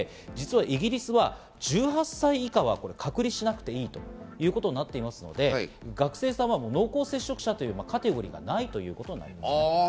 実はイギリスは１８歳以下は隔離しなくていいということになっていますので、学生さんは濃厚接触者というカテゴリーがない。